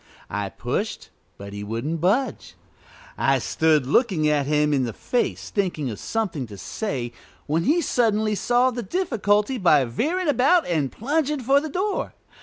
I pushed, but he wouldn't budge. I stood looking at him in the face, thinking of something to say, when he suddenly solved the difficulty by veering about and plunging for the door.